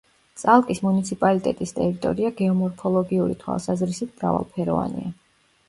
წალკის მუნიციპალიტეტის ტერიტორია გეომორფოლოგიური თვალსაზრისით მრავალფეროვანია.